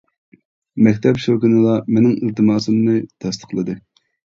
مەكتەپ شۇ كۈنىلا مېنىڭ ئىلتىماسىمنى تەستىقلىدى.